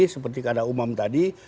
seperti kata umam tadi